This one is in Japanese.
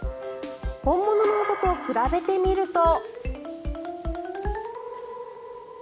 本物の音と比べてみると。